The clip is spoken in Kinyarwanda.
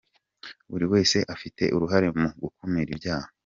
Buri wese afite uruhare mu gukumira ibyaha.